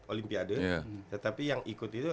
olimpiade tetapi yang ikut itu